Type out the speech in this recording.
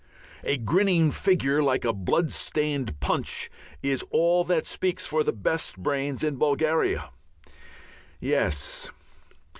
A grinning figure like a bloodstained Punch is all that speaks for the best brains in Bulgaria. Yes.